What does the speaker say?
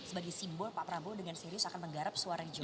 sebagai simbol pak prabowo dengan serius akan menggarap suara jokowi